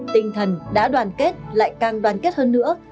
tinh thần đã đoàn kết lại càng đoàn kết hơn nữa